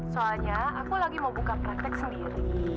soalnya aku lagi mau buka praktek sendiri